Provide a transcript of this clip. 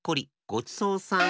ごちそうさん。